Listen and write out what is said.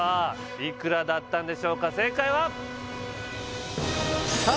いくらだったんでしょうか正解は？